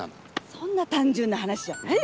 そんな単純な話じゃないでしょ。